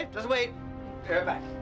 tunggu aku balik